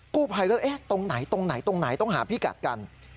กู้ภัยก็เอ๊ะตรงไหนตรงไหนตรงไหนต้องหาพิกัดกัน